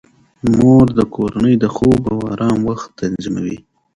مور د کورنۍ د خوب او آرام وخت تنظیموي.